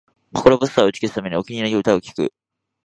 心細さを打ち消すため、お気に入りの歌を聴く